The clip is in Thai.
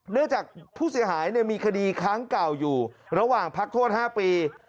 เนื่องจากผู้เสียหายมีคดีค้างเก่าอยู่ระหว่างพักโทษ๕ปี